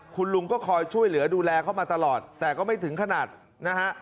คุณลุงก็คอยช่วยเหลือดูแลเขามาตลอดแต่ก็ไม่ถึงขนาดนะฮะ